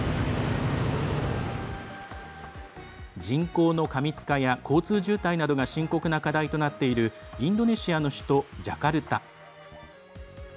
人口の過密化や交通渋滞などが深刻な課題となっているインドネシアの首都ジャカルタ。